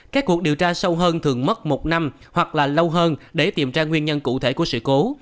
các cuộc điều tra sâu hơn thường mất một năm hoặc là lâu hơn để tìm ra nguyên nhân cụ thể của sự cố